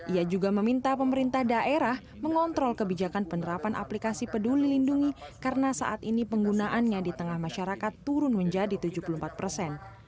ia juga meminta pemerintah daerah mengontrol kebijakan penerapan aplikasi peduli lindungi karena saat ini penggunaannya di tengah masyarakat turun menjadi tujuh puluh empat persen